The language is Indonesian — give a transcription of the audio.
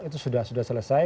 itu sudah selesai